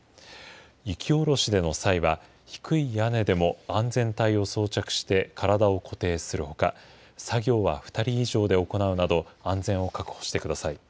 雪下ろしの際は、低い屋根でも安全帯を装着して体を固定するほか、作業は２人以上で行うなど、安全を確保してください。